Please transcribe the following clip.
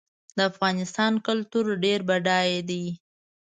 د افغانستان کلتور ډېر بډای دی.